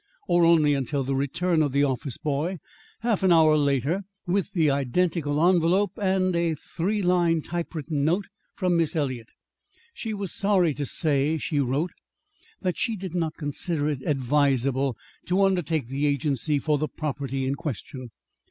Or only until the return of the office boy, half an hour later, with the identical envelope and a three line typewritten note from Miss Eliot. She was sorry to say, she wrote, that she did not consider it advisable to undertake the agency for the property in question.